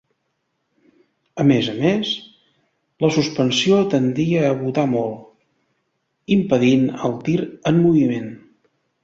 A més a més, la suspensió tendia a botar molt, impedint el tir en moviment.